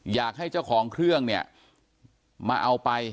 อยากให้เจ้าของเครื่องเนี่ยมาเอาไป